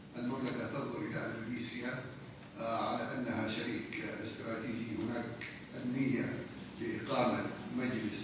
kerajaan arab saudi melihat indonesia sebagai perusahaan strategis yang memiliki tujuan untuk menjalankan